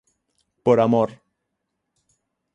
Por amor.